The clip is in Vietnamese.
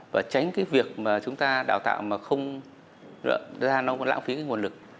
và tránh cái việc mà chúng ta đào tạo mà không ra nó có lãng phí cái nguồn lực